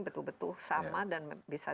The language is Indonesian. betul betul sama dan bisa